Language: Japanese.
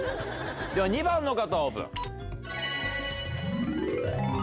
では２番の方オープン！